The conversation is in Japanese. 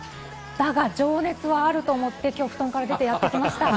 だが、情熱はあると思って、布団から出てきました。